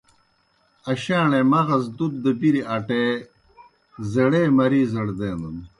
اشاݨے مغز دُت دہ بِری اٹے، زیڑے مریضڑ دینَن۔